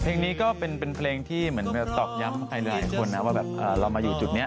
เพลงนี้ก็เป็นเพลงที่เหมือนตอกย้ำใครหลายคนนะว่าแบบเรามาอยู่จุดนี้